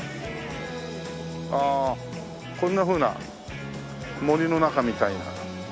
ああこんなふうな森の中みたいな。